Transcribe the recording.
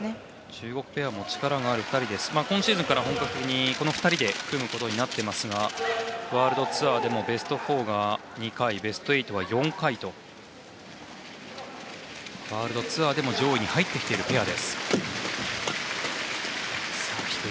中国ペアも力がある２人で今シーズンから本格的にこの２人で組むことになっていますがワールドツアーでもベスト４が２回ベスト８が４回とワールドツアーでも上位に入ってきているペア。